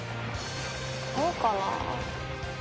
そうかな？